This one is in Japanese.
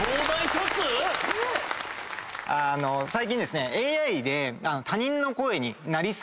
あの最近ですね。